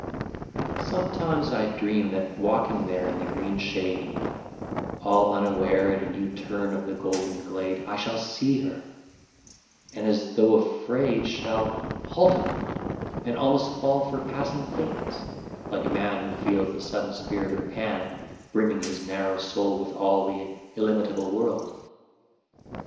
Sometimes I dream that walking there In the green shade, all unaware At a new turn of the golden glade, I shall see her, and as though afraid Shall halt a moment and almost fall For passing faintness, like a man Who feels the sudden spirit of Pan Brimming his narrow soul with all The illimitable world.